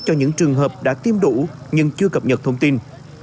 cho những trường hợp đã tiêm đủ nhưng chưa cập nhật thông tin